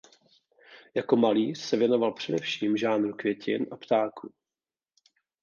Jako malíř se věnoval především žánru květin a ptáků.